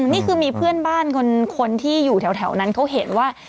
นี่คือมีเพื่อนบ้านคนที่อยู่แถวนั้นเขาเห็นว่า